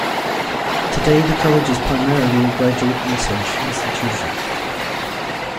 Today the College is primarily a graduate research institution.